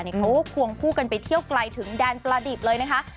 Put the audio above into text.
เขาควงคู่กันไปเที่ยวไกลถึงแดนประดิษฐ์เลยนะคะ